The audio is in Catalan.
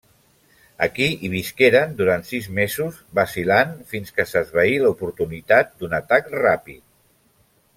Aquí hi visqueren durant sis mesos, vacil·lant fins que s'esvaí l'oportunitat d'un atac ràpid.